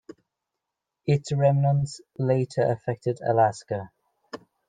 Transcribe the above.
Its remnants later affected Alaska.